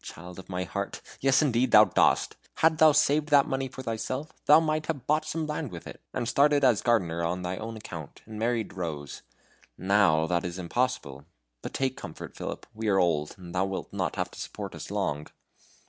Child of my heart! Yes, indeed thou dost. Hadst thou saved that money for thyself thou might have bought some land with it, and started as gardener on thy own account, and married Rose. NOW that is impossible. But take comfort, Philip. We are old, and thou wilt not have to support us long."